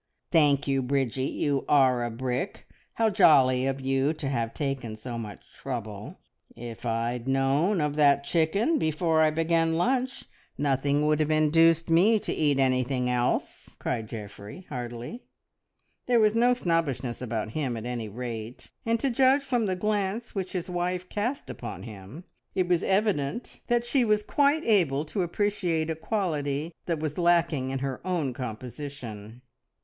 "Thank you, Bridgie, you are a brick! How jolly of you to have taken so much trouble! If I'd known of that chicken before I began lunch, nothing would have induced me to eat anything else!" cried Geoffrey heartily. There was no snobbishness about him at any rate, and to judge from the glance which his wife cast upon him it was evident that she was quite able to appreciate a quality that was lacking in her own composition.